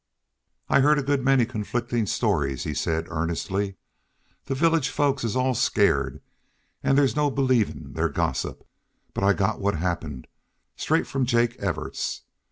"I heerd a good many conflictin' stories," he said, earnestly. "The village folks is all skeered an' there's no believin' their gossip. But I got what happened straight from Jake Evarts.